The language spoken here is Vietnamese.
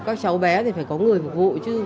các cháu bé thì phải có người phục vụ chứ